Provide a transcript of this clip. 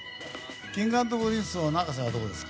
Ｋｉｎｇ＆Ｐｒｉｎｃｅの永瀬はどうですか。